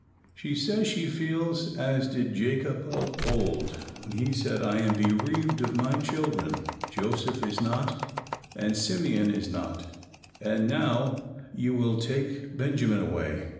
She says she feels as did Jacob of old when he said, "I am bereaved of my children. Joseph is not and Simeon is not and now you will take Benjamin away."